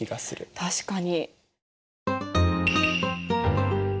確かに。